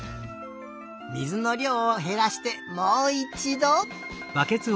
水のりょうをへらしてもういちど！